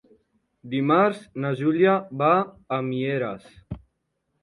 Dimarts na Júlia va a Mieres.